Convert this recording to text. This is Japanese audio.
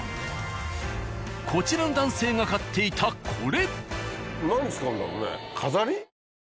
こちらの男性が買っていたこれ！